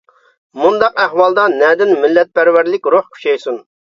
مۇنداق ئەھۋالدا نەدىن مىللەتپەرۋەرلىك روھ كۈچەيسۇن.